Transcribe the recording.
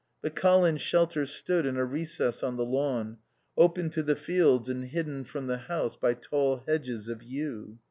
But Colin's shelter stood in a recess on the lawn, open to the fields and hidden from the house by tall hedges of yew.